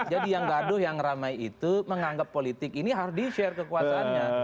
jadi yang gaduh yang ramai itu menganggap politik ini harus di share kekuasaannya